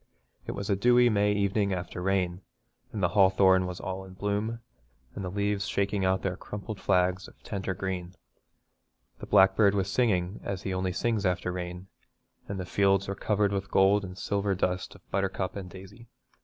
It was a dewy May evening after rain, and the hawthorn was all in bloom, and the leaves shaking out their crumpled flags of tender green. The blackbird was singing as he only sings after rain, and the fields were covered with the gold and silver dust of buttercup and daisy.